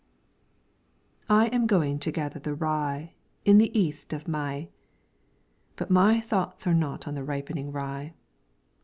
I am going to gather the rye, In the east of Mei. But my thoughts are not on the ripening rye.